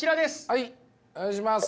はいお願いします。